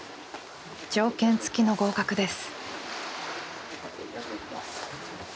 条件付きの合格です。